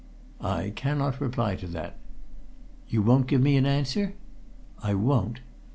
"I cannot reply to that." "You won't give me an answer?" "I won't!"